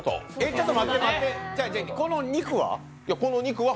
ちょっと待って待ってこの肉は？